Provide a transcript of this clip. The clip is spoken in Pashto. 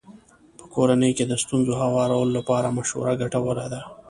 په کورنۍ کې د ستونزو هوارولو لپاره مشوره ګټوره ده.